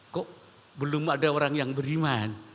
kok belum ada orang yang beriman